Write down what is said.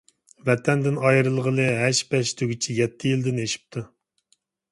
ۋەتەندىن ئايرىلغىلى ھەش-پەش دېگۈچە يەتتە يىلدىن ئېشىپتۇ.